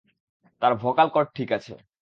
তার vocal cord ঠিক আছে।